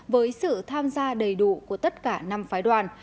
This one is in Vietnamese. với sự tham gia đầy đủ của tất cả năm phái đoàn